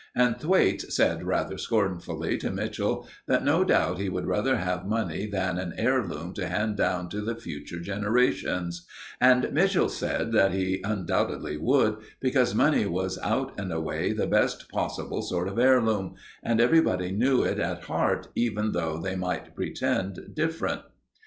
And Thwaites said rather scornfully to Mitchell that no doubt he would rather have money than an heirloom to hand down to the future generations; and Mitchell said that he undoubtedly would, because money was out and away the best possible sort of heirloom, and everybody knew it at heart, even though they might pretend different.